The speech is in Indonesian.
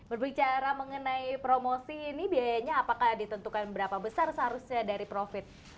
berbicara mengenai promosi ini biayanya apakah ditentukan berapa besar seharusnya dari profit